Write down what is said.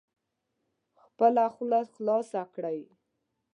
خپله خوله خلاصه کړئ